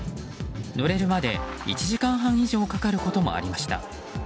乗れるまで１時間半以上かかることもありました。